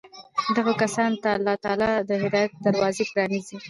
دغو كسانو ته الله تعالى د هدايت دروازې پرانېزي